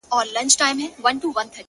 o تر تياره برخه مه تېرېږه!